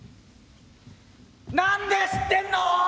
「何で知ってんの？」。